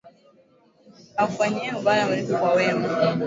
Akufanyiaye ubaya mlipe kwa wema